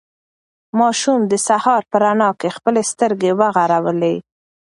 ماشوم د سهار په رڼا کې خپلې سترګې وغړولې.